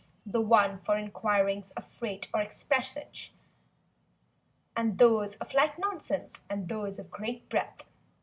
The one for inquirings of freight or expressage; And those of light nonsense—and those of great breadth.